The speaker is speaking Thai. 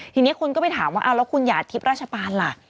ทีนี้คุณก็ไปถามว่าอ้าวแล้วคุณอย่าทิศราชปาลล่ะ